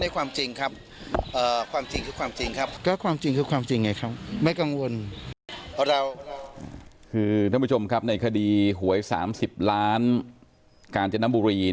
คือท่านผู้ชมครับในคดีหวย๓๐ล้านกาญจนบุรี